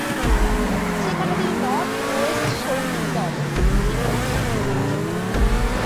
সেখানে তিনি north west শৌখিন দলে দুই মৌসুম খেলেন।